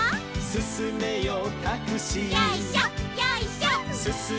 「すすめよタクシー」